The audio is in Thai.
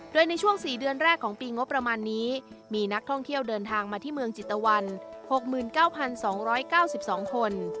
โดยในช่วง๔เดือนแรกของปีงบประมาณนี้มีนักท่องเที่ยวเดินทางมาที่เมืองจิตตะวัน๖๙๒๙๒คน